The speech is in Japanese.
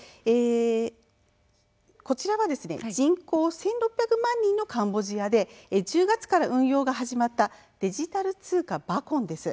こちらは人口１６００万人のカンボジアで１０月から運用が始まったデジタル通貨「バコン」です。